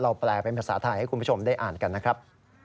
แปลเป็นภาษาไทยให้คุณผู้ชมได้อ่านกันนะครับ